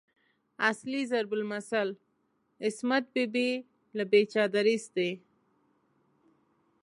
اصلي ضرب المثل "عصمت بي بي از بې چادريست" دی.